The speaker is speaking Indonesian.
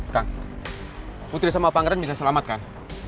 kang putri sama pangeran bisa selamatkan